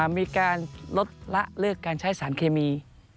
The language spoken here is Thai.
มีการลดละเลิกการใช้สารเคมี